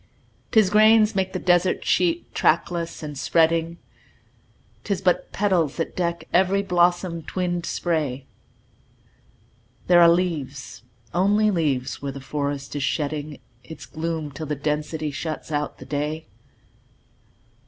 'Tis grains make the desert sheet, trackless and spreading; 'Tis but petals that deck every blossom twinned spray; There are leaves only leaves where the forest is shedding Its gloom till the density shuts out the day.